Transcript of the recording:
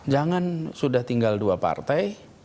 jangan sudah tinggal dua partai